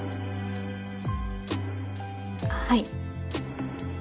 はい。